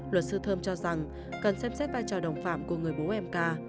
luật sư thơm cho rằng cần xem xét vai trò đồng phạm của người bố em ca